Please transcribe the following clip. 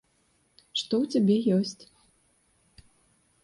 Што ў цябе ёсць?